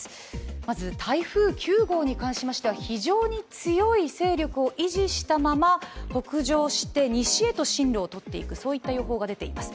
まず、台風９号に関しましては非常に強い勢力を維持したまま北上して西へと進路をとっていく予想が出ています。